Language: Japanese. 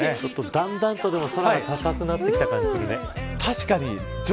だんだんと空が高くなってきた感じがするね。